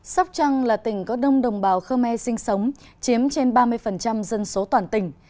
sóc trăng là tỉnh có đông đồng bào khmer sinh sống chiếm trên ba mươi dân số toàn tỉnh